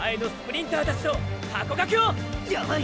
やばい！